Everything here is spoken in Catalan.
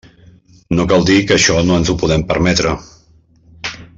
No cal dir que això no ens ho podem permetre.